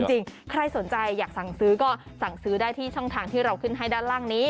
จริงใครสนใจอยากสั่งซื้อก็สั่งซื้อได้ที่ช่องทางที่เราขึ้นให้ด้านล่างนี้